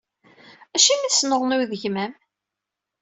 Acimi i tesnuɣnuyeḍ gma-m?